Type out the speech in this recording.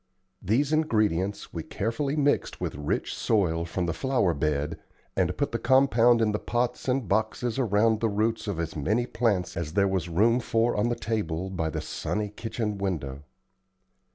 These ingredients we carefully mixed with rich soil from the flower bed and put the compound in the pots and boxes around the roots of as many plants as there was room for on the table by the sunny kitchen window.